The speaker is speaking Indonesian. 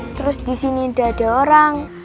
terus disini gak ada orang